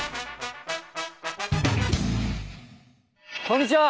こんにちは。